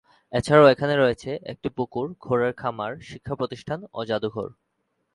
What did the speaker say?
এছাড়াও এখানে রয়েছে একটি পুকুর, ঘোড়ার খামার, শিক্ষা প্রতিষ্ঠান ও জাদুঘর।